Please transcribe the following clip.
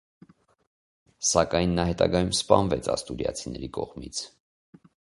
Սակայն նա հետագայում սպանվեց աստուրիացիների կողմից։